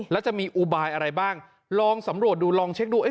แล้วจะมีอุบายอะไรบ้างลองสำรวจดูลองเช็คดู